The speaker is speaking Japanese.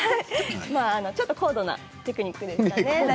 ちょっと高度なテクニックですね。